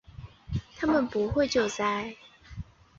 他们不会救灾